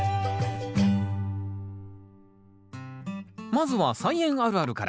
まずは「菜園あるある」から。